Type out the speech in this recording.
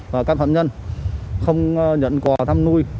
và căn phạm nhân không nhận quà thăm nuôi